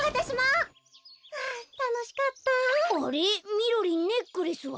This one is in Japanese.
みろりんネックレスは？